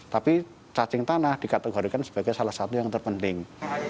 tapi cacing tanah dikategorikan sebagai salah satu yang terpenting